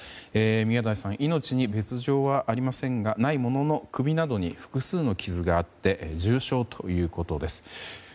宮台さん、命に別条はないものの首などに複数の傷があって重傷ということです。